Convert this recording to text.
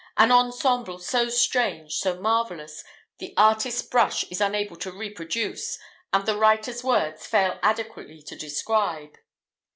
An ensemble so strange, so marvellous, the artist's brush is unable to reproduce, and the writer's words fail adequately to describe!